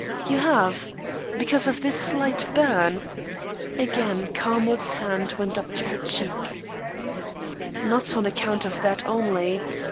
"You have? Because of this slight burn?" Again Carmel's hand went to her cheek. "Not on account of that only.